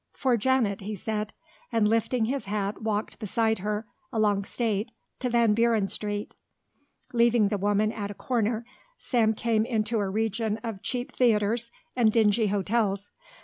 "For Janet," he said, and lifting his hat walked beside her along State to Van Buren Street. Leaving the woman at a corner Sam came into a region of cheap theatres and dingy hotels.